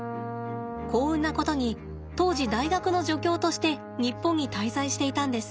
幸運なことに当時大学の助教として日本に滞在していたんです。